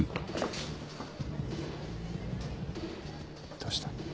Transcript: どうした？